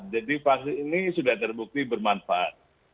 jadi vaksin ini sudah terbukti bermanfaat